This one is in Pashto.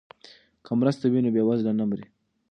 که مرسته وي نو بیوزله نه مري.